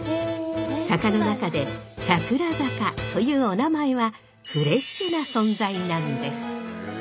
坂の中で「桜坂」というお名前はフレッシュな存在なんです。